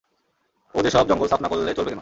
ও যে সব জঙ্গল, সাফ না করলে চলবে কেন।